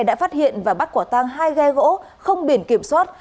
đã phát hiện và bắt quả tang hai ghe gỗ không biển kiểm soát